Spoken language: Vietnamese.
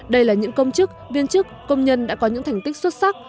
đây là những công chức viên chức công nhân đã có những thành tích xuất sắc